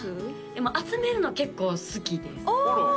でも集めるの結構好きですあ！